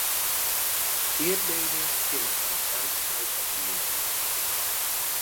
Ierdbevings kinne har op elk stuit oppenearje.